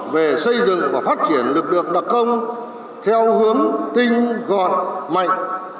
về xây dựng và phát triển lực lượng đặc công theo hướng tinh gọn mạnh